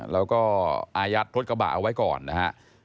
แล้วก็อายัดรถกระบะเอาไว้ก่อนนะครับ